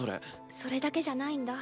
それだけじゃないんだ。